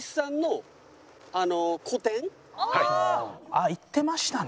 あっ行ってましたね。